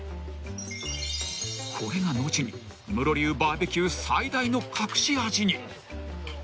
［これが後にムロ流バーベキュー最大の隠し味に］